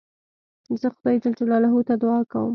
زه خدای جل جلاله ته دؤعا کوم.